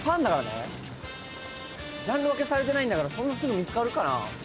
ジャンル分けされてないからそんなすぐ見つかるかな？